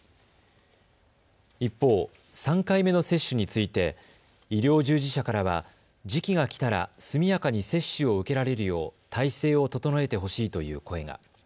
一方、３回目の接種について医療従事者からは時期が来たら速やかに接種を受けられるよう態勢を整えてほしいという声が。